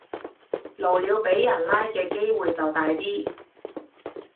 露鳥俾人拉嘅機會就大啲